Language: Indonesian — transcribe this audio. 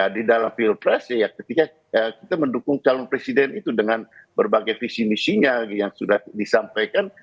di dalam pilpres ketika kita mendukung calon presiden itu dengan berbagai visi misinya yang sudah disampaikan